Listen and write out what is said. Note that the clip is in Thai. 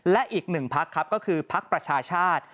และอีกหนึ่งภักดิ์ก็คือภัครัชชาติ